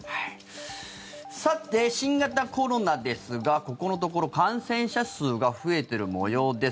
さて、新型コロナですがここのところ感染者数が増えている模様です。